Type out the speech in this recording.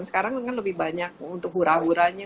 sekarang kan lebih banyak untuk hura huranya